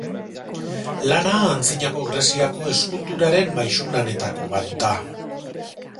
Lana Antzinako Greziako eskulturaren maisulanetako bat da.